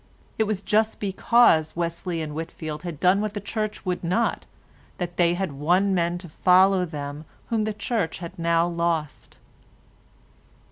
It was just because Wesley and Whitfield had done what the Church would not that they had won men to follow them whom the Church had now lost.